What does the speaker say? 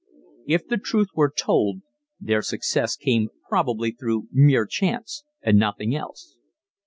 If the truth were told their success came probably through mere chance and nothing else.